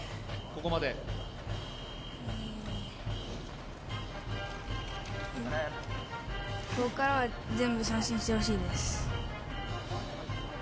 ここからは全部、三振にしてほしいです。